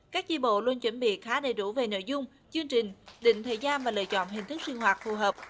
các chi bộ luôn chuẩn bị khá đầy đủ về nội dung chương trình định thời gian và lựa chọn hình thức sinh hoạt phù hợp